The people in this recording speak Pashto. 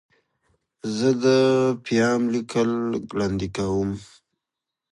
زه د پیام لیکل ګړندي کوم.